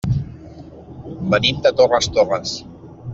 Venim de Torres Torres.